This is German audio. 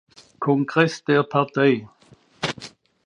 Kongress der Partei.